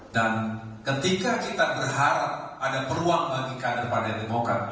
dan ketika kita berharap ada peruang bagi kader pada demokrasi